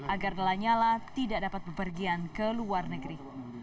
agar lanyala tidak dapat bepergian ke luar negeri